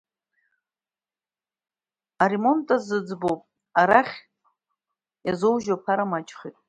Аремонт азыӡбоуп, арахь иазоужьу аԥара маҷхеит…